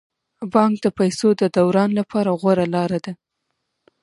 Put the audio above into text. بانک د پيسو د دوران لپاره غوره لاره ده.